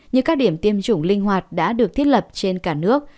như các điểm tiêm chủng linh hoạt đã được thiết lập trên cả nước